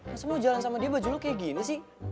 terus mau jalan sama dia baju lo kayak gini sih